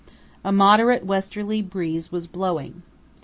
A moderate westerly breeze was blowing.